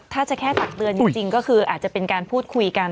ถ้าจะแค่ตักเตือนจริงก็คืออาจจะเป็นการพูดคุยกัน